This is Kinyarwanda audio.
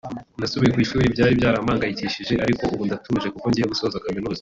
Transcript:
nasubiye ku ishuri byari byarampangayikishije ariko ubu ndatuje kuko ngiye gusoza kaminuza